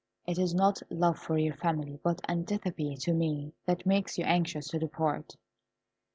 It is not love for your family, but antipathy to me, that makes you anxious to depart."